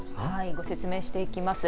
ご説明していきます。